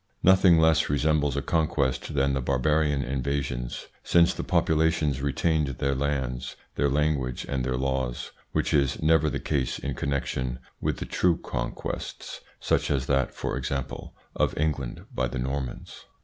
Nothing less resembles a conquest than the bar barian invasions, since the populations retained their lands, their language, and their laws, which is never the case in connection with true conquests, such as that, for example, of England by the Normans.